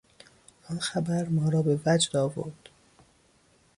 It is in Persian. آن خبر ما را به وجد آورد.